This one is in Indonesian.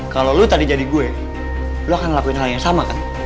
kalau lo tadi jadi gue lo akan ngelakuin hal yang sama kan